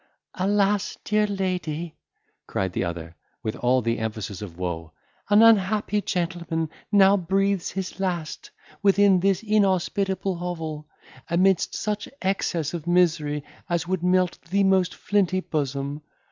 "Alas! dear lady," cried the other, with all the emphasis of woe, "an unhappy gentleman now breathes his last within this inhospitable hovel, amidst such excess of misery as would melt the most flinty bosom.